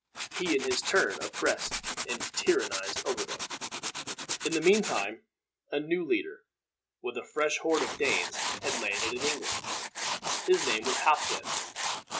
He, in his turn, oppressed and tyrannized over them. In the mean time, a new leader, with a fresh horde of Danes, had landed in England. His name was Halfden.